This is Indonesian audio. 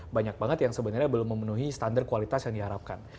banyak banget yang sebenarnya belum memenuhi standar kualitas yang diharapkan